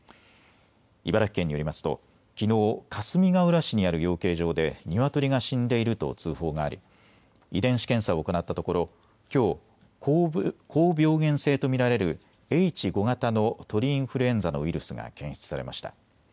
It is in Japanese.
茨城県によりますときのうかすみがうら市にある養鶏場でニワトリが死んでいると通報があり遺伝子検査を行ったところきょう高病原性と見られるＨ５型の鳥インフルエンザのウイルスが検出されました。